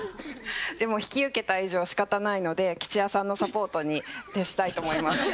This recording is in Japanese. でも引き受けた以上しかたないので吉弥さんのサポートに徹したいと思います。